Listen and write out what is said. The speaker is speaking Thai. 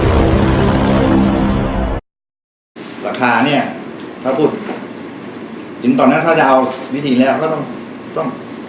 จนตอนนี้ถ้าที่จะเอาวิธีเลยคงต้อง